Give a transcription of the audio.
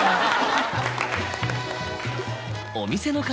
お店の方